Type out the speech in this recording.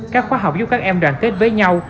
các khóa học giúp các em đoàn kết với nhau